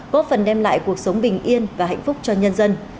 góp phần đem lại cuộc sống bình yên và hạnh phúc cho nhân dân